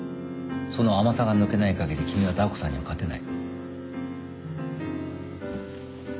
その甘さが抜けないかぎり君はダー子さんには勝てない。